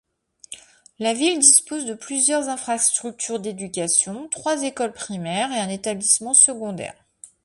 La ville dispose de plusieurs infrastructures d'éducation: trois écoles primaires et un établissement secondaire.